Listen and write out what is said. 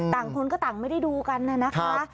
อ๋อต่างคุณก็ต่างไม่ได้ดูกันนะคะ